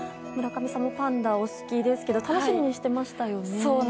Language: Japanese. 村上さんもパンダお好きですけど楽しみにしていましたよね。